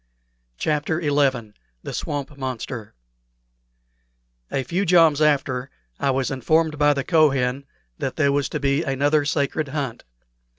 CHAPTER XI THE SWAMP MONSTER A few joms after, I was informed by the Kohen that there was to be another sacred hunt.